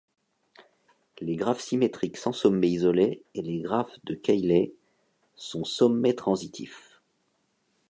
Les graphes symétriques sans sommets isolés et les graphes de Cayley, sont sommet-transitifs.